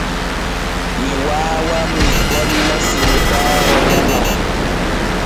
Mi waawan mi golla siwtaare walaa.